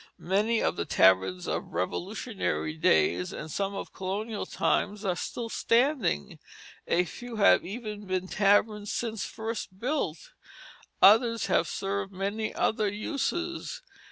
Many of the taverns of Revolutionary days and some of colonial times are still standing. A few have even been taverns since first built; others have served many other uses.